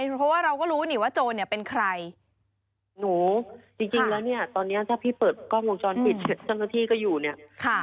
เพราะว่าเราก็รู้นี่ว่าโจรเนี่ยเป็นใครหนูจริงจริงแล้วเนี่ยตอนเนี้ยถ้าพี่เปิดกล้องวงจรปิดเสร็จเจ้าหน้าที่ก็อยู่เนี่ยค่ะ